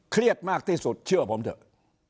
เครียดมากที่สุดเชื่อผมเถอะ